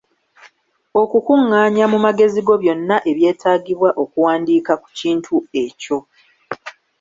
Okukungaanya mu magezi go byonna ebyetagibwa okuwandika ku kintu ekyo.